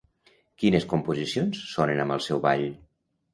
Quines composicions sonen amb el seu ball?